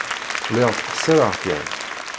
Lliɣ ttqeṣṣireɣ kan.